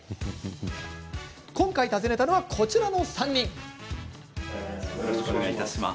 今回訪ねたのは、こちらの３人。